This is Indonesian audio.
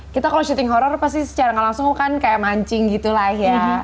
kita kalau syuting horror pasti secara gak langsung kan kayak mancing gitu lah ya